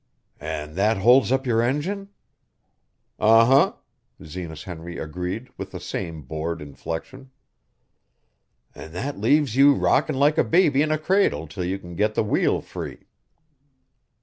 "An' that holds up your engine." "Uh huh," Zenas Henry agreed with the same bored inflection. "An' that leaves you rockin' like a baby in a cradle 'til you can get the wheel free."